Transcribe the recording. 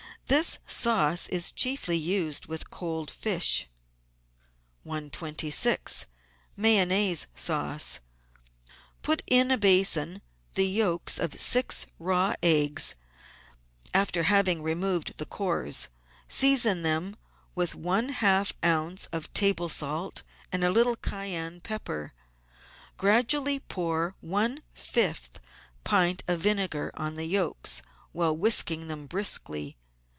This sauce is chiefly used with cold fish. 126 MAYONNAISE SAUCE Put in a basin the yolks of six raw eggs, after having removed the cores. Season them with one half oz. of table salt and a little cayenne pepper. Gradually pour one fifth pint of vinegar on the yolks while whisking them briskly.